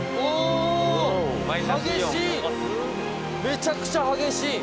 めちゃくちゃ激しい！